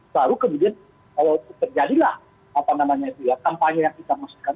lalu kemudian terjadilah kampanye yang kita masukkan